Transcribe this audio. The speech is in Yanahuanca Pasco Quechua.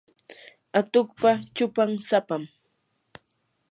atuqpa chupan sapam.